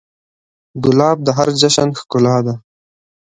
ګلاب د هر جشن ښکلا ده.